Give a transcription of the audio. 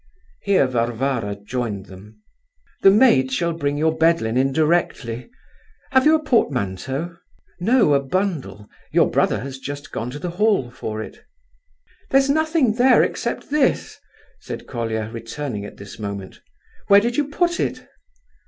Here Varvara joined them. "The maid shall bring your bed linen directly. Have you a portmanteau?" "No; a bundle—your brother has just gone to the hall for it." "There's nothing there except this," said Colia, returning at this moment. "Where did you put it?"